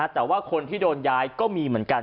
แต่ว่าคนที่โดนย้ายก็มีเหมือนกัน